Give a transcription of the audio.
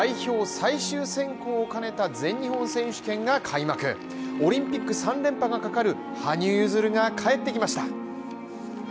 最終選考を兼ねた全日本選手権が開幕、オリンピック３連覇がかかる羽生結弦が帰ってきました。